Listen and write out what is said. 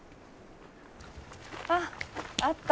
あっあった！